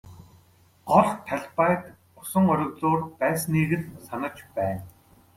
Гол талбайд усан оргилуур байсныг л санаж байна.